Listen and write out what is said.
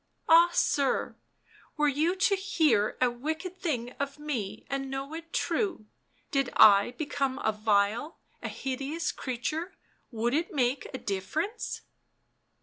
" Ah, sir — were you to hear a wicked thing of me and know it true — did I become a vile, a hideous creature — would it make a difference